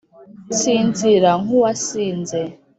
nsinzira nk’uwasinze